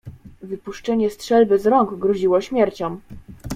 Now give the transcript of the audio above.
"Wypuszczenie strzelby z rąk groziło śmiercią."